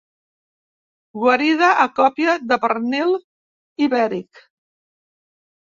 Guarida a còpia de pernil ibèric.